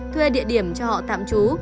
thuê địa điểm cho họ tạm trú